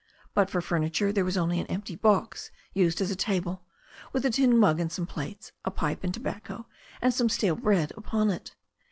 But for furniture there was only an empty box used as a table, with a tin mug and some plates, a pipe and tobacco, and some stale bread upon it.